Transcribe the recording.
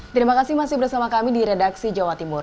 terima kasih masih bersama kami di redaksi jawa timur